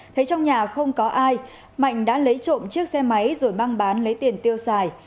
thấy trong nhà không có ai mạnh đã lấy trộm chiếc xe máy rồi mang bán lấy tiền tiêu xài